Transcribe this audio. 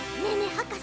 はかせ